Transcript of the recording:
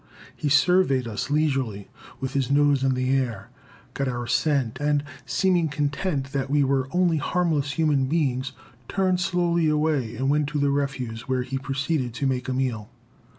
He surveyed us leisurely, with his nose in the air, got our scent, and, seeming content that we were only harmless human beings, turned slowly away and went to the refuse, where he proceeded to make a meal.